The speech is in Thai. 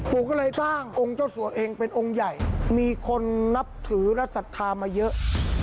ปู่ก็เลยสร้างองค์เจ้าสัวเองเป็นองค์ใหญ่มีคนนับถือและศรัทธามาเยอะ